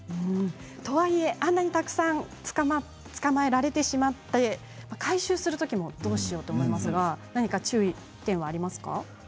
とはいえ、あんなにたくさん捕まえられてしまって回収するときもどうしようと思いますが何か注意点はありますか？